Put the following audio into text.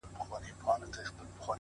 دي روح کي اغښل سوی دومره ـ